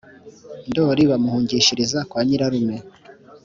ndoli bamuhungishiriza kwa nyirarume.